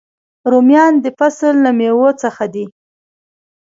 رومیان د فصل له میوو څخه دي